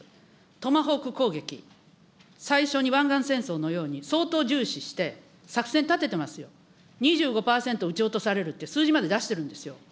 トマホーク攻撃、最初に湾岸戦争のように相当重視して作戦立ててますよ、２５％撃ち落とされるっていう数字まで出してるんですよ。